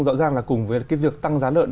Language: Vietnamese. rõ ràng là cùng với việc tăng giá lợn